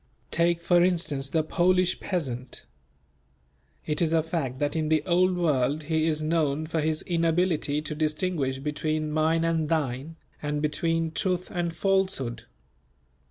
Take for instance the Polish peasant. It is a fact that in the Old World he is known for his inability to distinguish between "mine and thine," and between truth and falsehood.